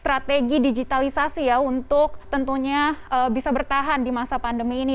strategi digitalisasi ya untuk tentunya bisa bertahan di masa pandemi ini